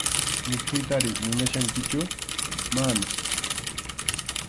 ¿Mikhuytari munachkankichu?- Mana.